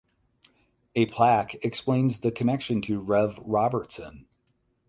A plaque explains the connection to Rev Robertson.